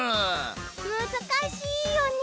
むずかしいよね。